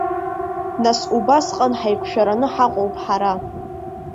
Нас убасҟан ҳаиқәшәараны ҳаҟоуп ҳара.